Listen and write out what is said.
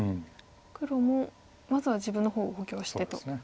黒もまずは自分の方を補強してと。